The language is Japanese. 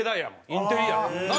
インテリやもんな。